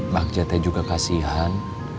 bagja teh juga kasihan